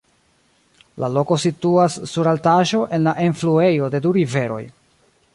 La loko situas sur altaĵo en la enfluejo de du riveroj.